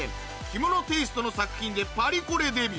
着物テイストの作品でパリコレデビュー